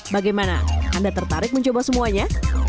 bagaimana anda tertarik mencoba semuanya